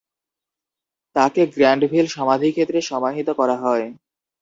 তাঁকে গ্র্যান্ডভিল সমাধিক্ষেত্রে সমাহিত করা হয়।